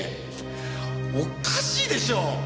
おっかしいでしょ？